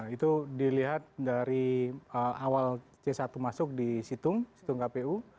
itu dilihat dari awal c satu masuk di situng situng kpu